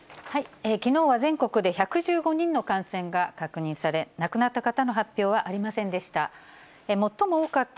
きのうは全国で１１５人の感染が確認され、亡くなった方の発表はありませんでした。